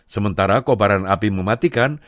kondisi panas yang tinggi di australia